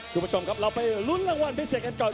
คุณผู้ชมครับเราไปลุ้นรางวัลพิเศษกันก่อน